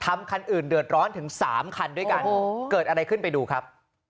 คันอื่นเดือดร้อนถึง๓คันด้วยกันเกิดอะไรขึ้นไปดูครับ